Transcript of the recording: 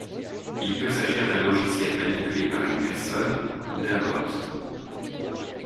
Il peut s'agir d'un logiciel manipulé par une personne, ou d'un bot.